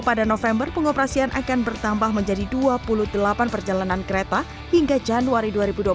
pada november pengoperasian akan bertambah menjadi dua puluh delapan perjalanan kereta hingga januari